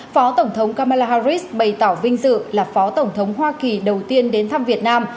phó tổng thống kamala harris bày tỏ vinh dự là phó tổng thống hoa kỳ đầu tiên đến thăm việt nam